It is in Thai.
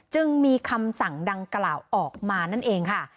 จึงมีคำสั่งดังกล่าวออกมานั่นเองค่ะ